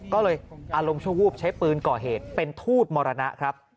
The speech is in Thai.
ก็เลยอารมณ์ชั่ววูบใช้ปืนก่อเหตุเป็นทูตมรณะครับ